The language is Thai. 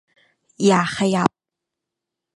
อย่าขยับ